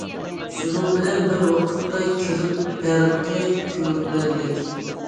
شۇنىڭ بىلەن بىر ۋاقىتتا، كىرىم پەرقى كۆرۈنەرلىك.